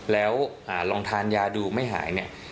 แล้วลองทานยาดูไม่หาย